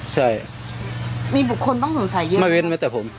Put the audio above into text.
ใช่มีบุคคลต้องสงสัยเยอะนะครับไม่เว้นแม้แต่ผม